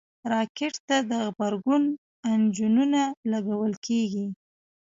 راکټ ته د غبرګون انجنونه لګول کېږي